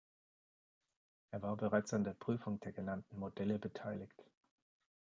Er war bereits an der Prüfung der genannten Modelle beteiligt.